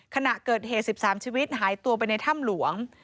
ขณะเกิดเหตุ๑๓ชีวิตหายตัวไปในถ้ำหลวง